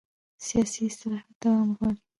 سیاسي اصلاحات دوام غواړي